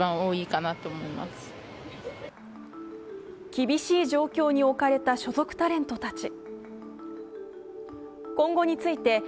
厳しい状況に置かれた所属タレントたち。